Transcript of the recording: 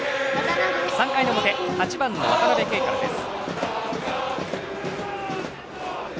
３回表、８番の渡辺憩からです。